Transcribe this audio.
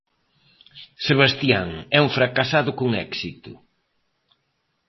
Sebastian é un fracasado con éxito.